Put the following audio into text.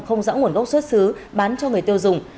không rõ nguồn gốc xuất xứ bán cho người tiêu dùng